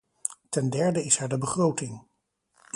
Ten derde is er de begroting.